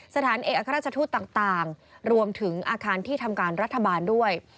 สถานเอกอัครราชทูตต่างรวมถึงอาคารที่ทำการรัฐบาลด้วย